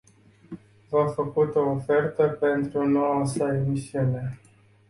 V-a făcut o ofertă pentru noua sa emisiune.